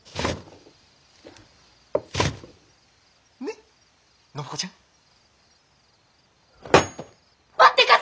ねっ暢子ちゃん。ぽってかす！